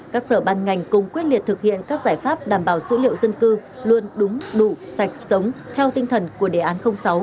các sở ban ngành cùng quyết liệt thực hiện các giải pháp đảm bảo dữ liệu dân cư luôn đúng đủ sạch sống theo tinh thần của đề án sáu